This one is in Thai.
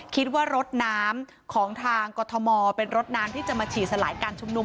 คิดว่ารถน้ำของทางกรทมเป็นรถน้ำที่จะมาฉีดสลายการชุมนุม